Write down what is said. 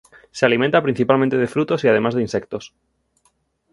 Se alimenta principalmente de frutos y además de insectos.